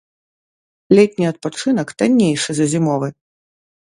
Летні адпачынак таннейшы за зімовы.